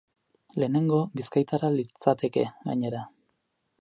Lehenengo bizkaitarra litzateke, gainera.